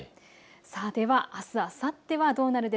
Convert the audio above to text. では、あすあさってはどうなのか。